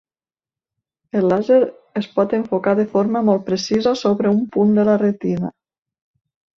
El làser es pot enfocar de forma molt precisa sobre un punt de la retina.